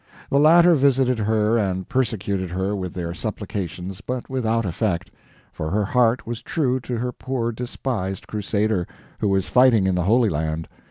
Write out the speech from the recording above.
The latter visited her and persecuted her with their supplications, but without effect, for her heart was true to her poor despised Crusader, who was fighting in the Holy Land.